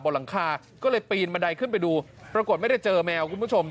หลังคาก็เลยปีนบันไดขึ้นไปดูปรากฏไม่ได้เจอแมวคุณผู้ชม